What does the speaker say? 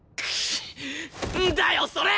んだよそれ！